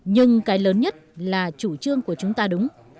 nhưng cái lớn nhất là chủ trương của chúng ta đúng